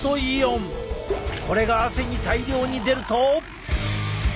これが汗に大量に出ると。